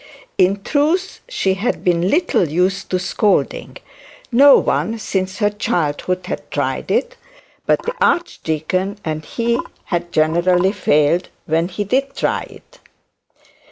In truth she had been little used to scolding. No one since her childhood had tried it but the archdeacon, and he had generally failed when he did try it.